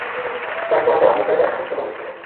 Pant পরার পর আমরা চাইলে একসাথে খেতে পারি এটা।